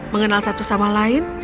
mengenal satu sama lain